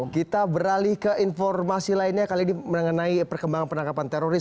kita beralih ke informasi lainnya kali ini mengenai perkembangan penangkapan teroris